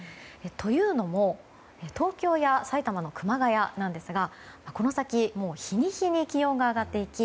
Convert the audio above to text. というのも東京や埼玉の熊谷なんですがこの先、日に日に気温が上がっていき